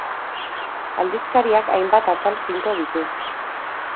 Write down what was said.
Aldizkariak hainbat atal finko ditu.